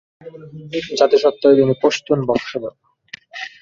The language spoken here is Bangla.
জাতিসত্ত্বায় তিনি পশতুন বংশধর।